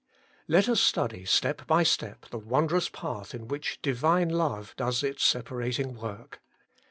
Let us study step by step the wondrous path in which Divine Love does it separating work.